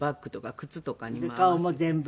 で顔も全部？